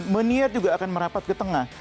meniar juga akan merapat ke tengah